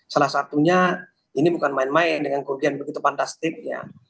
salah satunya ini bukan main main dengan kerugian begitu fantastik ya